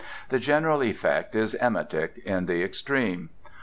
The general effect is emetic in the extreme.